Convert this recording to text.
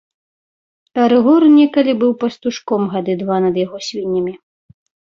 Рыгор некалі быў пастушком гады два над яго свіннямі.